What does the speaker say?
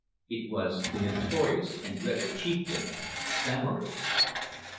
It was the notorious and dreaded chieftain, Samory.